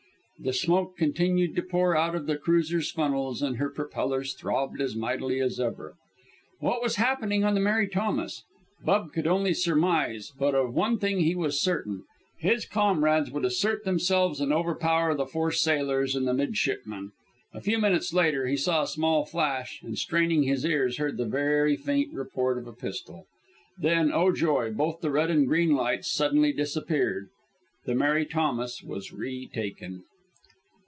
The smoke continued to pour out of the cruiser's funnels, and her propellers throbbed as mightily as ever. What was happening on the Mary Thomas? Bub could only surmise; but of one thing he was certain: his comrades would assert themselves and overpower the four sailors and the midshipman. A few minutes later he saw a small flash, and straining his ears heard the very faint report of a pistol. Then, oh joy! both the red and green lights suddenly disappeared. The Mary Thomas was retaken!